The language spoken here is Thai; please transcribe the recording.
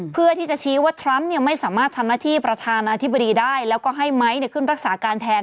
เพื่อที่จะชี้ว่าทรัมป์ไม่สามารถทำหน้าที่ประธานาธิบดีได้แล้วก็ให้ไม้ขึ้นรักษาการแทน